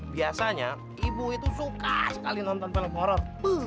biasanya ibu itu suka sekali nonton film horror